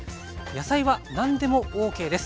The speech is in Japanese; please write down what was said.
野菜は何でもＯＫです。